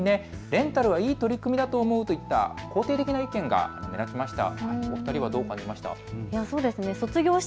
レンタルはいい取り組みだと思うといった肯定的な意見が目立ちました。